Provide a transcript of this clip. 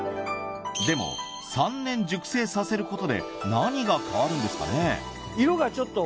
でも３年熟成させることで何が変わるんですかね？